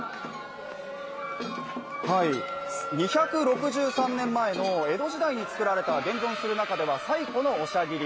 ２６３年前の江戸時代に作られた、現存する中では最古のおしゃぎり。